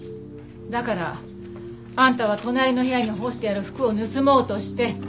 だからあんたは隣の部屋に干してある服を盗もうとして。